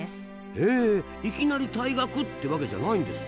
へえいきなり退学ってわけじゃないんですな。